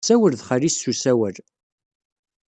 Tessawel ed xali-s s usawal.